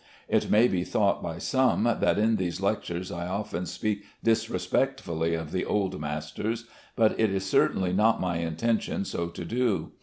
It may be thought by some that in these lectures I often speak disrespectfully of the old masters, but it is certainly not my intention so to do.